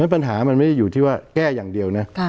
ปัญหามันไม่ได้อยู่ที่ว่าแก้อย่างเดียวนะ